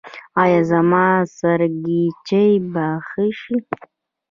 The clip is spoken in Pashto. ایا زما سرگیچي به ښه شي؟